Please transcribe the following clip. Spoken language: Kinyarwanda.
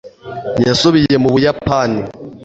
yasubiye mu buyapani